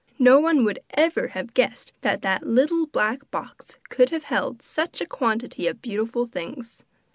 No one would ever have guessed that that little black box could have held such a quantity of beautiful things!